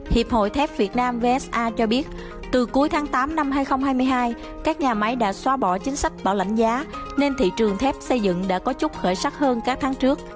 hiệp hội thép việt nam vsa cho biết từ cuối tháng tám năm hai nghìn hai mươi hai các nhà máy đã xóa bỏ chính sách bảo lãnh giá nên thị trường thép xây dựng đã có chút khởi sắc hơn các tháng trước